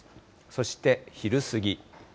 そして昼過ぎ。